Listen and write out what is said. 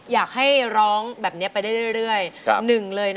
อยากให้ร้องแบบนี้ไปได้เรื่อย